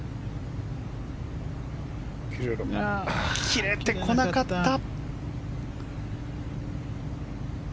切れてこなかった。